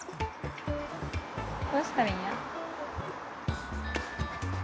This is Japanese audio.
どうしたらいいんや？